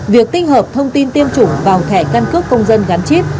việc tích hợp thông tin tiêm chủng vào thẻ căn cước công dân gắn chip